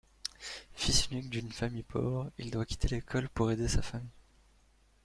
Fils unique d'une famille pauvre, il doit quitter l'école pour aider sa famille.